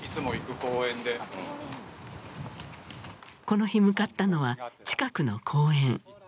この日向かったのは近くの公園。